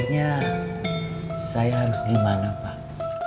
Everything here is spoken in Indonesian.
sebaiknya saya harus dimana pak